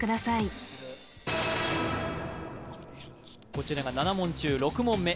こちらが７問中６問目。